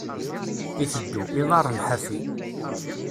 Iteddu, iḍarren ḥafi.